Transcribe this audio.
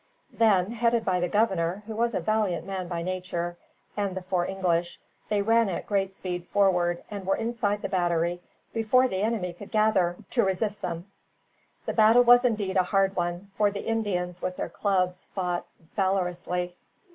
Then, headed by the governor, who was a valiant man by nature, and the four English, they ran at great speed forward, and were inside the battery before the enemy could gather to resist them. The battle was indeed a hard one; for the Indians, with their clubs, fought valorously.